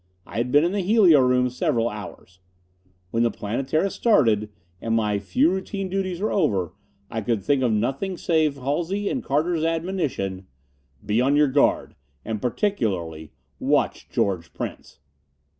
I had been in the helio room several hours. When the Planetara started, and my few routine duties were over, I could think of nothing save Halsey's and Carter's admonition: "Be on your guard. And particularly watch George Prince."